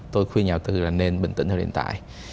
tôi khuyên nhà đầu tư là nên bình tĩnh thời điểm hiện tại